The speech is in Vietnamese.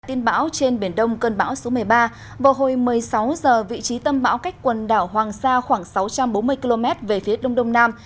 tiên bão trên biển đông cơn bão số một mươi ba vào hồi một mươi sáu h vị trí tâm bão cách quần đảo hoàng sa khoảng sáu trăm bốn mươi km về phía đông đông nam